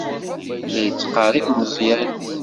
La d-yettqerrib Meẓyan.